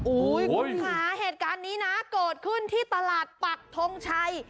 คุณค่ะเหตุการณ์นี้นะเกิดขึ้นที่ตลาดปักทงชัย